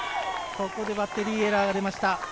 ここでバッテリーエラーが出ました。